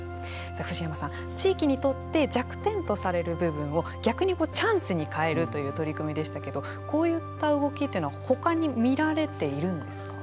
さあ藤山さん、地域にとって弱点とされる部分を逆にこうチャンスに変えるという取り組みでしたけどこういった動きっていうのはほかに見られているんですか。